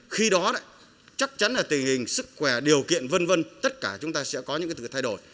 khi đó chắc chắn là tình hình sức khỏe điều kiện v v tất cả chúng ta sẽ có những thử thay đổi